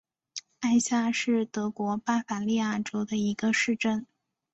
艾夏是德国巴伐利亚州的一个市镇。